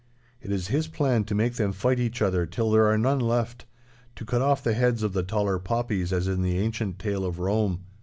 It is his plan to make them fight each other till there are none left—to cut off the heads of the taller poppies as in the ancient tale of Rome.